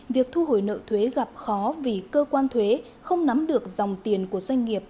việc thu hồi nợ thuế gặp khó vì cơ quan thuế không nắm được dòng tiền của doanh nghiệp